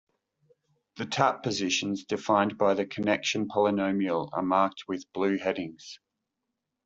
The tap positions defined by the connection polynomial are marked with blue headings.